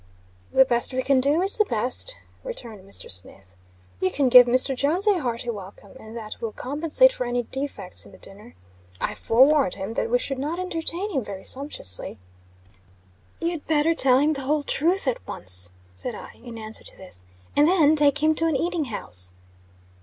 "The best we can do is the best," returned Mr. Smith. "You can give Mr. Jones a hearty welcome, and that will compensate for any defects in the dinner. I forewarned him that we should not entertain him very sumptuously." "You'd better tell him the whole truth at once," said I, in answer to this; "and then take him to an eating house."